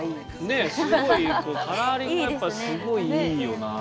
ねえすごいカラーリングやっぱすごいいいよなあ。